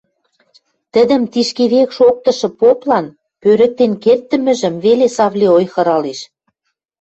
Тӹдӹм тишкевек шоктышы поплан пӧрӹктен керддӹмӹжӹм веле Савли ойхыралеш.